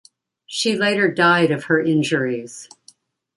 She later died of her injuries.